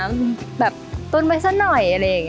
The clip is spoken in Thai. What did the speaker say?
แม่ตุ้นไปสักหน่อย